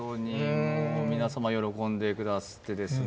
もう皆様喜んでくだすってですね。